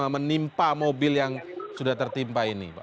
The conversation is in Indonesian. menimpa mobil yang sudah tertimpa ini pak